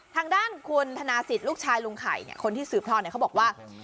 ทางด้านคุณธนาศิษย์ลูกชายลุงไข่เนี่ยคนที่สืบทอดเขาบอกว่า